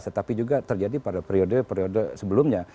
tidak saja terjadi pada periode periode sebelumnya